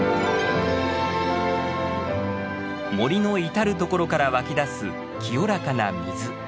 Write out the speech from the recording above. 森の至る所から湧き出す清らかな水。